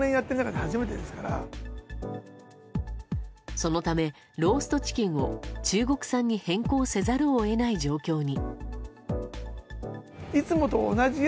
そのためローストチキンを中国産に変更せざるを得ない状況に。